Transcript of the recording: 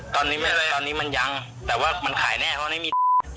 ตอนนี้ไม่อะไรตอนนี้มันยังแต่ว่ามันขายแน่เพราะไม่มี